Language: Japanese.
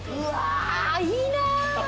いいな。